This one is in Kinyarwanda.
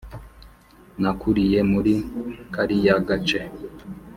nakuriye muri kariya gace.